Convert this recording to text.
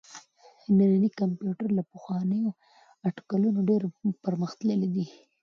نننی کمپيوټر له پخوانيو اټکلونو ډېر پرمختللی دی.